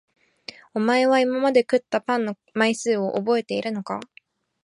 おまえは今まで食ったパンの枚数をおぼえているのか？